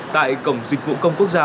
tại cổng dịch vụ công quốc gia